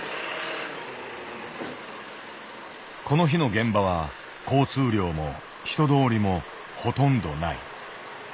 この日の現場は交通量も人通りもほとんどない。